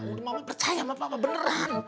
aku mau percaya sama papa beneran